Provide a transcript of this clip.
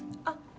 あっ